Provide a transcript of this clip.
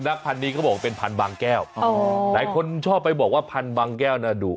นักพันนี้ก็บอกเป็นพันวางแก้วหลายคนบอกชอบพันวางแก้วน่าดุ